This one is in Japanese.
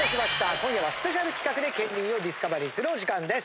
今夜はスペシャル企画で県民をディスカバリーするお時間です。